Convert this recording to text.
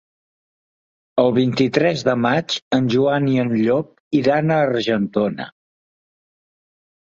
El vint-i-tres de maig en Joan i en Llop iran a Argentona.